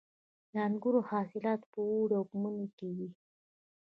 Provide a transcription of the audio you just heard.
د انګورو حاصلات په اوړي او مني کې وي.